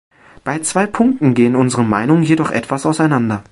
Bei zwei Punkten gehen unsere Meinungen jedoch etwas auseinander.